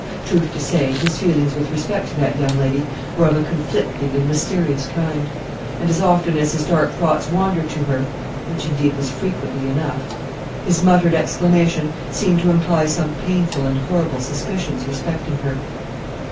Truth to say, his feelings with respect to that young lady were of a conflicting and mysterious kind; and as often as his dark thoughts wandered to her (which, indeed, was frequently enough), his muttered exclamation seemed to imply some painful and horrible suspicions respecting her.